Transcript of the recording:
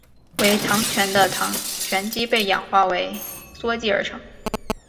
为醛糖的醛基被氧化为羧基而成。